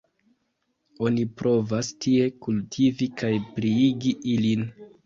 Oni provas tie kultivi kaj pliigi ilin.